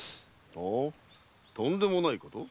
ほうとんでもないこと？